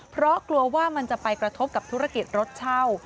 เพราะกลัวว่ามันจะไปกระทบกับธุรกิจรถเช่า